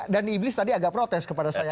dan iblis tadi agak protes kepada saya